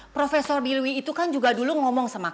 profesor biliwili itu kan juga dulu ngomong sama papi mi